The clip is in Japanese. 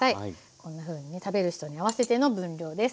こんなふうにね食べる人に合わせての分量です。